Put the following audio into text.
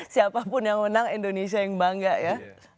siapapun yang menang indonesia yang bangga ya